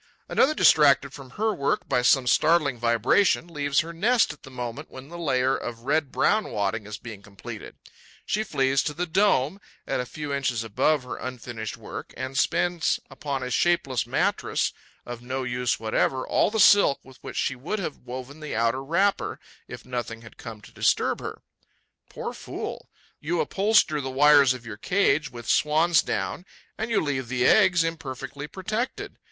Another, distracted from her work by some startling vibration, leaves her nest at the moment when the layer of red brown wadding is being completed. She flees to the dome, at a few inches above her unfinished work, and spends upon a shapeless mattress, of no use whatever, all the silk with which she would have woven the outer wrapper if nothing had come to disturb her. Poor fool! You upholster the wires of your cage with swan's down and you leave the eggs imperfectly protected.